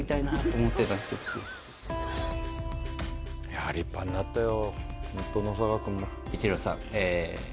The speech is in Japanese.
なのか立派になったよ